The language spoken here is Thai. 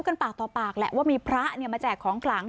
กันปากต่อปากแหละว่ามีพระมาแจกของขลัง